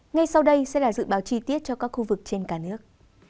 ngay sau đây sẽ là dự báo chi tiết cho các khu vực trên cả nước